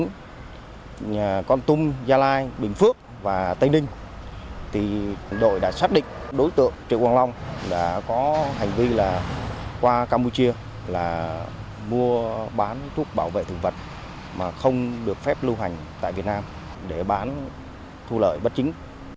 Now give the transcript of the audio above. từ hà tĩnh con tung gia lai bình phước và tây ninh đội đã xác định đối tượng triệu quang long đã có hành vi qua campuchia mua bán thuốc bảo vệ thực vật mà không được phép lưu hành tại việt nam để bán thu lợi bất chính